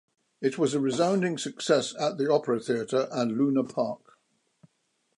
It was a resounding success at the Opera Theatre and Luna Park.